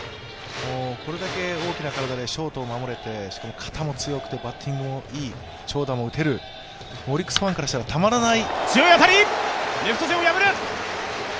これだけ大きな体でショートを守れて、しかも肩も強くてバッティングもいい、長打も打てるオリックスファンからしたらたまらない。